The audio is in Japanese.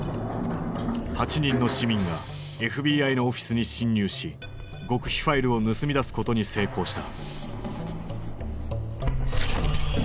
８人の市民がＦＢＩのオフィスに侵入し極秘ファイルを盗み出すことに成功した。